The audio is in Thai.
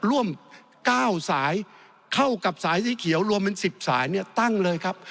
ร่วม๙สายเข้ากับสายสีเขียวรวมเป็น๑๐สายเนี่ยตั้งเลยครับ